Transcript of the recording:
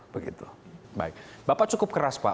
baik bapak cukup keras pak